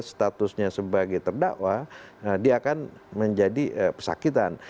statusnya sebagai terdakwa dia akan menjadi pesakitan